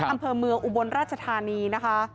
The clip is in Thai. อำเภอเมืองอุบลราชธานีนะคะ